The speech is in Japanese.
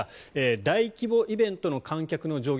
大規模イベントの観客の上限。